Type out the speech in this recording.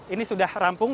ini sudah rampung